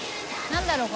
何だろう？